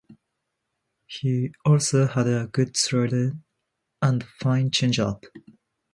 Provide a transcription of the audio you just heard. He also had a good slider and a fine change-up.